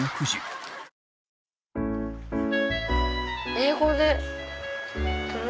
英語で。